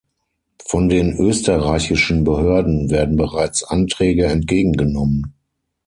Von den österreichischen Behörden werden bereits Anträge entgegengenommen.